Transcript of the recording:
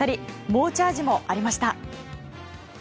猛チャージもありました。